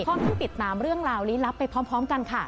ต้องติดตามเรื่องราวลี้ลับไปพร้อมกันค่ะ